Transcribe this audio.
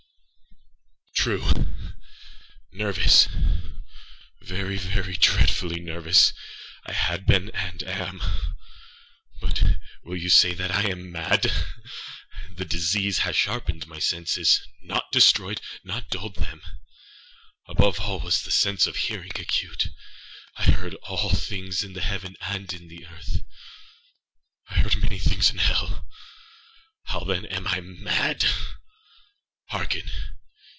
True!ânervousâvery, very dreadfully nervous I had been and am; but why will you say that I am mad? The disease had sharpened my sensesânot destroyedânot dulled them. Above all was the sense of hearing acute. I heard all things in the heaven and in the earth. I heard many things in hell. How, then, am I mad? Hearken!